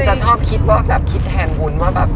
จะชอบคิดว่าแบบคิดแทนวุ้นว่าแบบ